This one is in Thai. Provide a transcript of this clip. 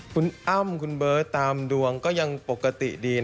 คุณอ้ำคุณเบิร์ตตามดวงก็ยังปกติดี